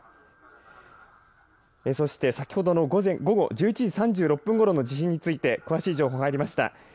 そして先ほどの午後１１時３６分ごろの地震について詳しい情報が入りました。